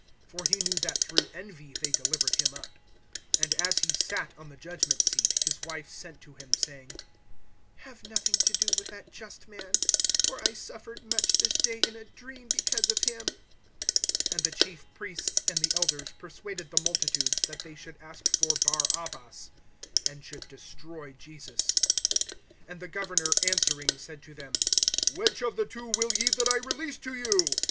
(18)For he knew that through envy they delivered him up. (19)And as he sat on the judgment seat, his wife sent to him, saying: Have nothing to do with that just man; for I suffered much this day, in a dream, because of him. (20)And the chief priests and the elders persuaded the multitudes, that they should ask for Barabbas, and should destroy Jesus. (21)And the governor answering said to them: Which of the two will ye that I release to you?